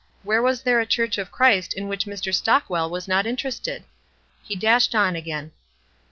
Where was there a Church of Christ in which Mr. Stockwell was not interested? He dashed on again.